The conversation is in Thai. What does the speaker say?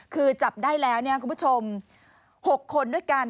คือจับได้แล้วคุณผู้ชม๖คนด้วยกัน